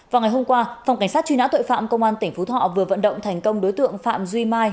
vào ngày hôm qua phòng cảnh sát truy nã tội phạm công an tỉnh phú thọ vừa vận động thành công đối tượng phạm duy mai